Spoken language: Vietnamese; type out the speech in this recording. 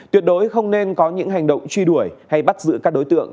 tuyệt đối không nên có những hành động truy đuổi hay bắt giữ các đối tượng